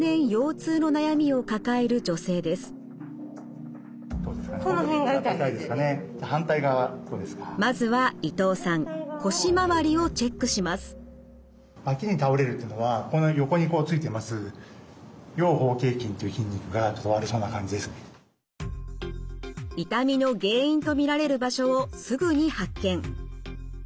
痛みの原因と見られる場所をすぐに発見。